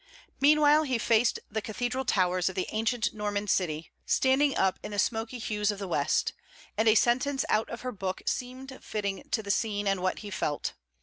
Meanwhile he faced the cathedral towers of the ancient Norman city, standing up in the smoky hues of the West; and a sentence out of her book seemed fitting to the scene and what he felt.